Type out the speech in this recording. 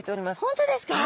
本当ですか？